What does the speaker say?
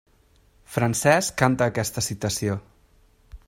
Francesc canta aquesta citació.